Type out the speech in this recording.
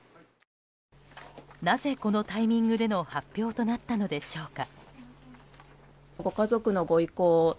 なぜこのタイミングでの発表となったのでしょうか。